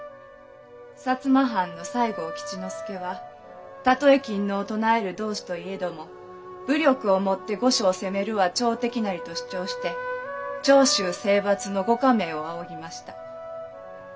摩藩の西郷吉之助は「たとえ勤皇を唱える同志といえども武力をもって御所を攻めるは朝敵なり」と主張して長州征伐の御下命を仰ぎました。